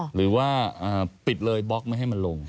หรือว่าปิดเลยบล็อกไม่ให้มันลง